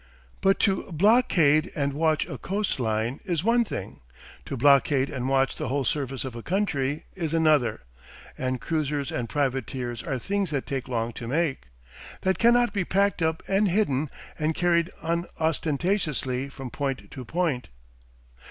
But to blockade and watch a coastline is one thing, to blockade and watch the whole surface of a country is another, and cruisers and privateers are things that take long to make, that cannot be packed up and hidden and carried unostentatiously from point to point.